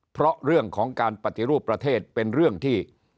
เพราะเรื่องของการปฏิรูปประเทศเป็นเรื่องที่